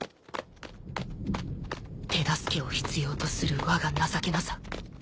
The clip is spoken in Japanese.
手助けを必要とするわが情けなさ。